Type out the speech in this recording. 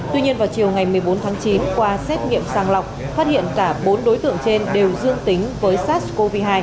tuy nhiên vào chiều ngày một mươi bốn tháng chín qua xét nghiệm sàng lọc phát hiện cả bốn đối tượng trên đều dương tính với sars cov hai